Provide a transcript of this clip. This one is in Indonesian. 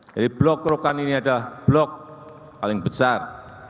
jadi blok rokand ini adalah blok paling besar